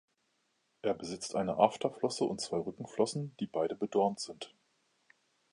Er besitzt eine Afterflosse und zwei Rückenflossen, die beide bedornt sind.